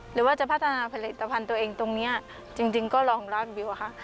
หรือว่าจะพัฒนาผลิตภัณฑ์ตัวเองตรงนี้จริงก็รองรับอยู่อะค่ะ